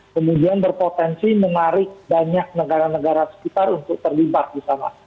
kemudian berpotensi menarik banyak negara negara sekitar untuk terlibat di sana